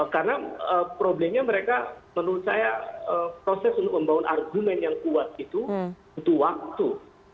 karena problemnya mereka menurut saya proses untuk membangun argumen yang kuat itu butuh waktu